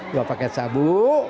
dua paket sabu